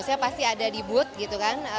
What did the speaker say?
biasanya pasti ada di booth gitu kan